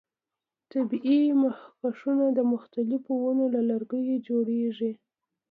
طبیعي مخکشونه د مختلفو ونو له لرګیو جوړیږي.